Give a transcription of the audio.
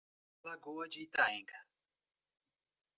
Lagoa de Itaenga